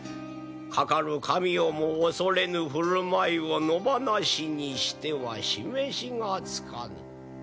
かかる神をも恐れぬ振る舞いを野放しにしては示しがつかぬ。